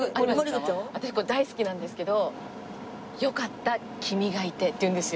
私これ大好きなんですけど「よかった、君がいて」っていうんですよ。